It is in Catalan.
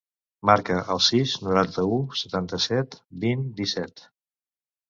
Marca el sis, noranta-u, setanta-set, vint, disset.